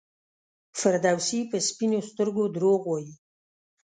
فردوسي په سپینو سترګو دروغ وایي.